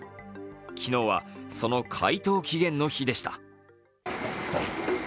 昨日は、その回答期限の日でした。